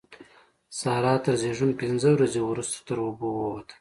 سارا تر زېږون پينځه ورځې روسته تر اوبو ووته.